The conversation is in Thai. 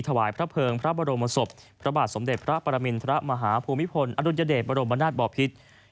ทวายพระเภิงพระบรมศพพระบาทสมเด็จพระปรมิณฑระมหาภูมิพลอรุณเจดบรมบรรนาชบ่อพิธภ์